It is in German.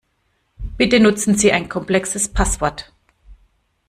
Bitte nutzen Sie ein komplexes Passwort.